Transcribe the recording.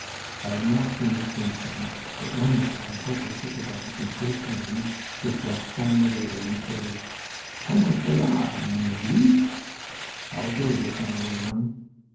I have not seen it since then, but one day I hope I shall go back and shake hands with Gaston the waiter and say, "Comment ca va, mon vieux?" ("How goes it, my old one?")